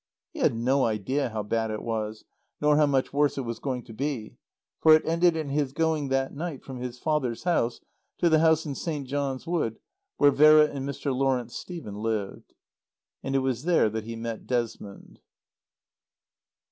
He had no idea how bad it was, nor how much worse it was going to be. For it ended in his going that night from his father's house to the house in St. John's Wood where Vera and Mr. Lawrence Stephen lived. And it was there that he met Desmond.